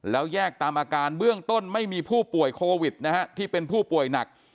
แล้วแยกตามอาการเบื้องต้นไม่มีผู้ป่วยโควิดนะฮะที่เป็นผู้ป่วยหนัก